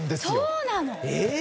そうなの？